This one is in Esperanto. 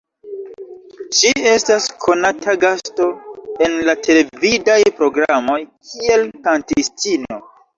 Ŝi estas konata gasto en la televidaj programoj kiel kantistino.